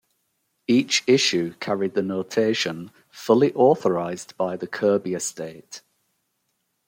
Each issue carried the notation "Fully Authorized by the Kirby Estate".